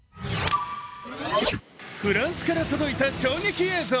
フランスから届いた衝撃映像。